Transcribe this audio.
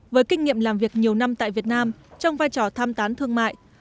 với kinh nghiệm làm việc nhiều năm tại việt nam trong vai trò tham tán thương mại